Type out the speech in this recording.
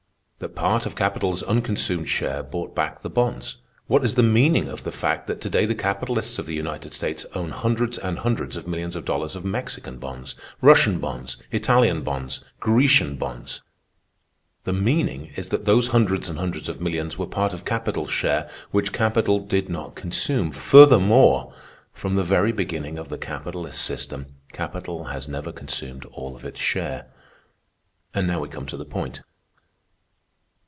That part of capital's unconsumed share bought back the bonds. What is the meaning of the fact that to day the capitalists of the United States own hundreds and hundreds of millions of dollars of Mexican bonds, Russian bonds, Italian bonds, Grecian bonds? The meaning is that those hundreds and hundreds of millions were part of capital's share which capital did not consume. Furthermore, from the very beginning of the capitalist system, capital has never consumed all of its share. "And now we come to the point.